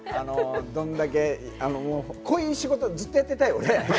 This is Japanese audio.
どんだけこういう仕事ずっとやってたい、俺。